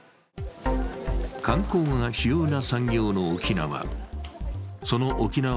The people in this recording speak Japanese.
観光が主要な産業の沖縄。